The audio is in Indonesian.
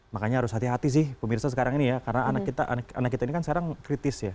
makanya harus hati hati sih pemirsa sekarang ini ya karena anak kita ini kan sekarang kritis ya